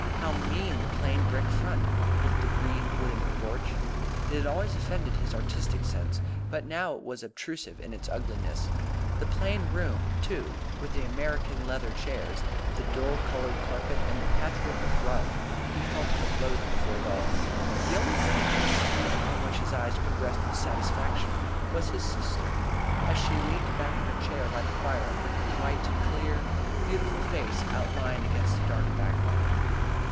How mean the plain brick front, with the green wooden porch! It had always offended his artistic sense, but now it was obtrusive in its ugliness. The plain room, too, with the American leather chairs, the dull coloured carpet, and the patchwork rug, he felt a loathing for it all. The only pretty thing in it, upon which his eyes could rest with satisfaction, was his sister, as she leaned back in her chair by the fire with her white, clear beautiful face outlined against the dark background.